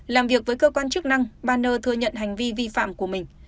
làm việc với cơ quan chức năng bà n thừa nhận hành vi vi phạm của mình